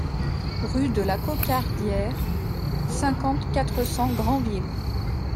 Rue de la Cocardière, cinquante, quatre cents Granville